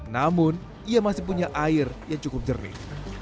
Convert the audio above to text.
namun ia masih punya air yang cukup jernih